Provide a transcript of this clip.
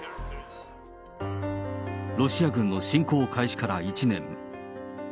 ロシア軍の侵攻開始から１年。